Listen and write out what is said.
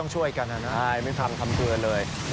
ใช่ไม่พันคำเฟือนเลย